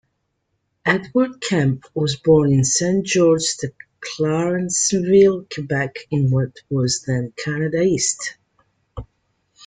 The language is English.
Edward Kemp was born in Saint-Georges-de-Clarenceville, Quebec in what was then Canada East.